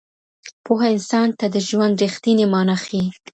پوهه انسان ته د ژوند رښتينې مانا ښيي.